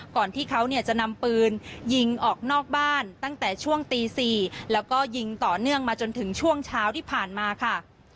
ก่อนที่เขาเนี่ยจะนำปืนยิงออกนอกบ้านตั้งแต่ช่วงตี๔แล้วก็ยิงต่อเนื่องมาจนถึงช่วงเช้าที่ผ่านมาค่ะ